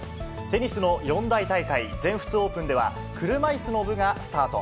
テニスの四大大会、全仏オープンでは、車いすの部がスタート。